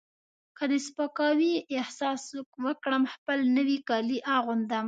که د سپکاوي احساس وکړم خپل نوي کالي اغوندم.